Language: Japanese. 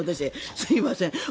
すいません。